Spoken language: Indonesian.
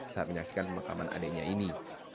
saat menyaksikan pemakaman adiknya ini